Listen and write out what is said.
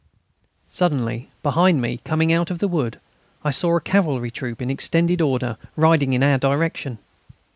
Suddenly, behind me, coming out of the wood, I saw a cavalry troop in extended order, riding in our direction.